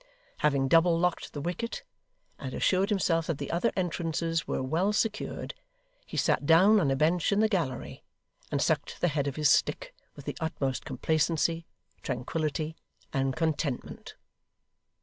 Having double locked the wicket, and assured himself that the other entrances were well secured, he sat down on a bench in the gallery, and sucked the head of his stick with the utmost complacency, tranquillity, and contentment.